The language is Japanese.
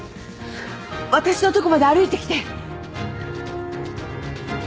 私のとこまで歩いてきて。